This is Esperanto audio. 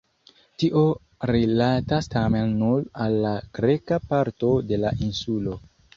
Tio rilatas tamen nur al la greka parto de la insulo.